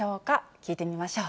聞いてみましょう。